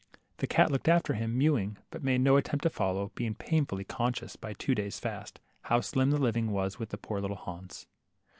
The cat looked after him, mewing, but made no at tempt to follow, being painfully conscious* by two days' fast, how slim the living was with poor little Hans.